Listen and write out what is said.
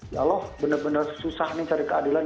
ya allah benar benar susah nih cari keadilan